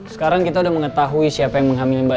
sekarang kita udah mengetahui siapa yang menghamil mbak